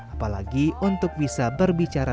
apalagi untuk bisa berbicara